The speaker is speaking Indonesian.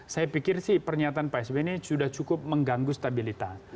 saya pikir sih pernyataan pak sby ini sudah cukup mengganggu stabilitas